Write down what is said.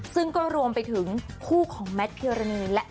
ซึ่งก็รวมไปถึงคู่ของแมทพิรณีและ